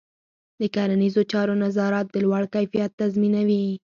د کرنيزو چارو نظارت د لوړ کیفیت تضمینوي.